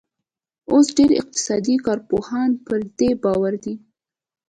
اوس ډېر اقتصادي کارپوهان پر دې باور دي